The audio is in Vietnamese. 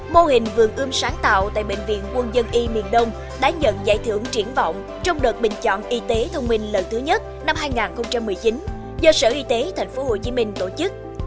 mô hình vườn ươm sáng tạo tại bệnh viện quân dân y miền đông đã nhận giải thưởng triển vọng trong đợt bình chọn y tế thông minh lần thứ nhất năm hai nghìn một mươi chín do sở y tế thành phố hồ chí minh tổ chức